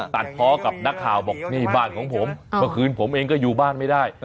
ตัดเพาะกับนักข่าวบอกนี่บ้านของผมเมื่อคืนผมเองก็อยู่บ้านไม่ได้